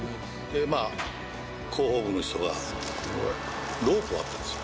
まあ、広報部の人がロープを張ったんですよ。